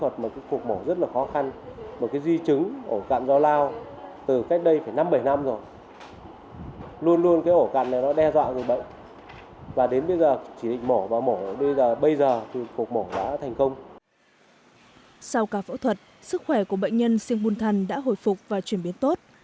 sau cả phẫu thuật sức khỏe của bệnh nhân siêng bùn thăn đã hồi phục và truyền biến tốt